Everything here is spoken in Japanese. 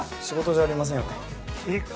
仕事じゃありませんよね？